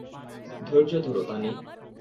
ধৈর্য ধরো, তানি।